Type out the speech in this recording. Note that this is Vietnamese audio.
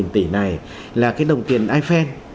một mươi năm tỷ này là cái đồng tiền ifan